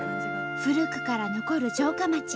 古くから残る城下町。